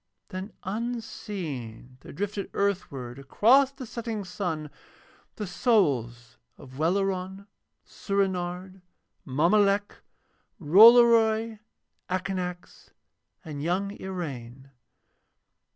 Then unseen there drifted earthward across the setting sun the souls of Welleran, Soorenard, Mommolek, Rollory, Akanax, and young Iraine.